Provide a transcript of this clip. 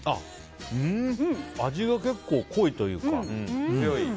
味が結構濃いというか。